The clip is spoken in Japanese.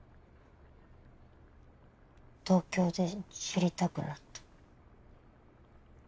東京で知りたくなった。